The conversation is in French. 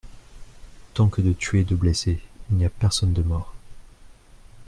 Tant que de tués et de blessés, il n'y a personne de mort.